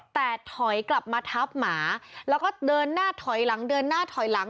แต่ถอยกลับมาทับหมาแล้วก็เดินหน้าถอยหลังเดินหน้าถอยหลัง